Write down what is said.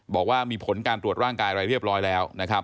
บอกว่ามีผลการตรวจร่างกายอะไรเรียบร้อยแล้วนะครับ